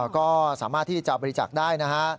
ก็สามารถที่จะบริจาคได้นะฮะ